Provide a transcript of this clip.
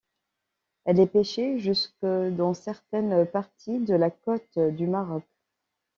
Elle est pêchée jusque dans certaines parties de la côte du Maroc.